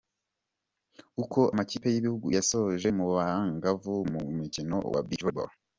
Uko amakipe y’ibihugu yasoje mu bangavu mu mukino wa Beach Volley Ball.